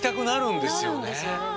なるんですよね。